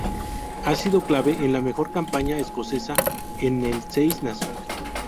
Ha sido clave en la mejor campaña escocesa en el Seis Naciones.